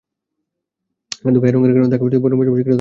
কিন্তু গায়ের রঙের কারণে তাঁকেও বর্ণবৈষম্যের শিকার হতে হয়েছে পদে পদে।